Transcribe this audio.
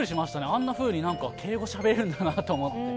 あんなふうに敬語をしゃべれるんだなと。